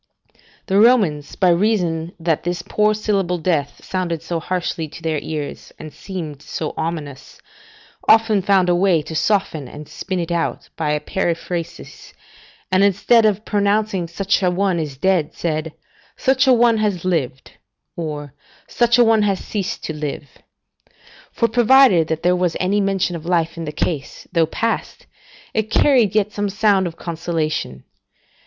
The Romans, by reason that this poor syllable death sounded so harshly to their ears and seemed so ominous, found out a way to soften and spin it out by a periphrasis, and instead of pronouncing such a one is dead, said, "Such a one has lived," or "Such a one has ceased to live" [Plutarch, Life of Cicero, c. 22:] for, provided there was any mention of life in the case, though past, it carried yet some sound of consolation.